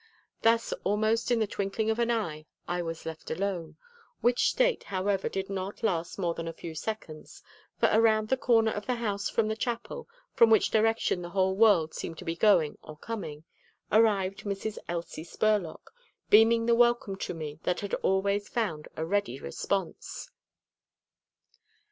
Thus almost in the twinkling of an eye I was left alone, which state, however, did not last more than a few seconds, for around the corner of the house from the chapel, from which direction the whole world seemed to be going or coming, arrived Mrs. Elsie Spurlock, beaming the welcome to me that had always found a ready response.